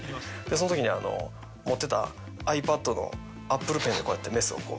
その時に持ってたｉＰａｄのアップルペンでこうやって。